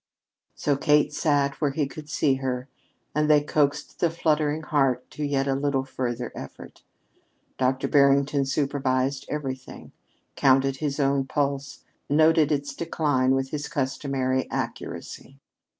So Kate sat where he could see her, and they coaxed the fluttering heart to yet a little further effort. Dr. Barrington supervised everything; counted his own pulse; noted its decline with his accustomed accuracy.